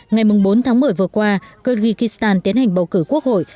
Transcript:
ngày bốn tháng một mươi vừa qua kyrgyzstan tiến hành bầu cử quốc hội